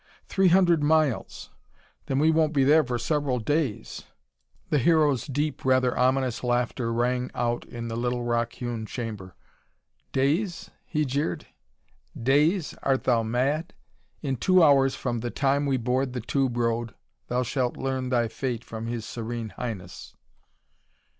Three hundred miles! Then we won't be there for several days." The Hero's deep, rather ominous laughter rang out in the little rock hewn chamber. "Days?" he jeered. "Days? Art thou mad? In two hours from the time we board the tube road thou shalt learn thy fate from his Serene Highness."